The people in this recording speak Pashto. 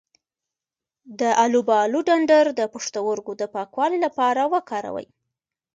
د الوبالو ډنډر د پښتورګو د پاکوالي لپاره وکاروئ